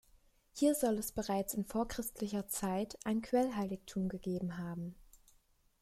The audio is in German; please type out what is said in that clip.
Hier soll es bereits in vorchristlicher Zeit ein Quellheiligtum gegeben haben.